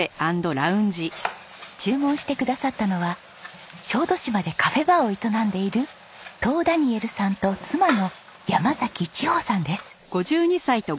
注文してくださったのは小豆島でカフェバーを営んでいるトウ・ダニエルさんと妻の山崎知穂さんです。